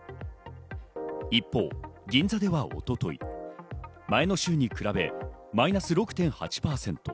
一方、銀座では一昨日、前の週に比べマイナス６．８％。